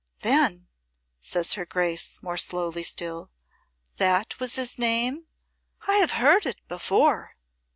'" "Then," says her Grace, more slowly still, "that was his name? I have heard it before."